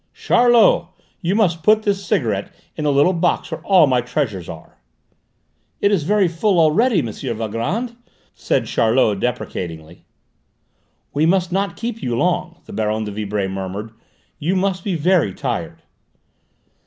Charlot! You must put this cigarette in the little box where all my treasures are!" "It is very full already, M. Valgrand," said Charlot deprecatingly. "We must not keep you long," the Baronne de Vibray murmured. "You must be very tired."